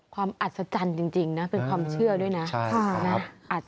อัศจรรย์จริงนะเป็นความเชื่อด้วยนะ